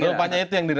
itulah misinya kira kira